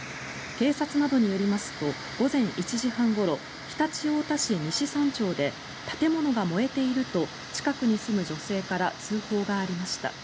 警察などによりますと午前１時半ごろ常陸太田市西三町で建物が燃えていると近くに住む女性から通報がありました。